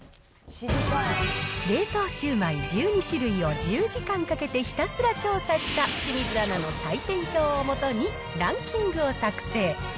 冷凍シュウマイ１２種類を１０時間かけてひたすら調査した、清水アナの採点表を基に、ランキングを作成。